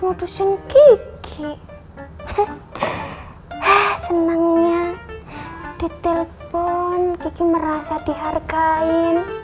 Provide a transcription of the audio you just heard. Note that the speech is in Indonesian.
janti hai hai senangnya di telpon gigi merasa dihargai